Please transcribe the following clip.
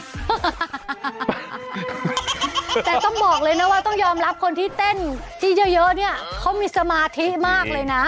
แต่ต้องบอกเลยนะว่าต้องยอมรับคนที่เต้นที่เยอะเนี่ยเขามีสมาธิมากเลยนะ